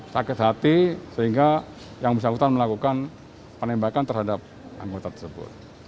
sakit hati sehingga yang bersangkutan melakukan penembakan terhadap anggota tersebut